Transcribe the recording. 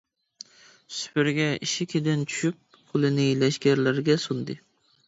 سۈپۈرگە ئېشىكىدىن چۈشۈپ، قولىنى لەشكەرلەرگە سۇندى.